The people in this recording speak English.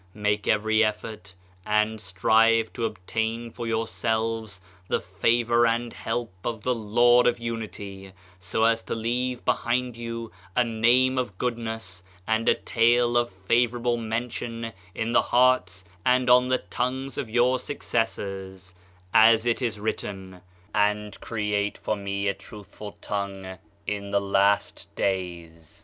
Make every cflfort and strive to obtain for yourselves the favor and help of the Lord of Unity; so as to leave behind you a name of good ness and a tale of favorable mention in the hearts and on the tongues of your successors; as it is written, "And create for me a truthful tongue in the Last Days."